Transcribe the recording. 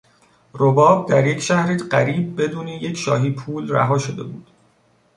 رباب در یک شهر غریب بدون یک شاهی پول رها شده بود.